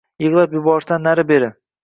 Yigʻlab yuborishdan nari-beri